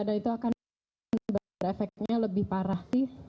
dan itu akan benar benar efeknya lebih parah